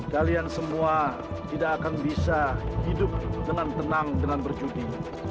kalian semua tidak akan bisa hidup dengan tenang dengan bercuti